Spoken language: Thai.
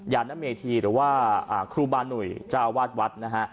ญานเมธีหรือว่าครูบาหนุยจาวาสวัด